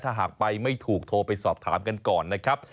ถ้าหากไปไม่ถูกโทรไปสอบถามกันก่อนนะครับ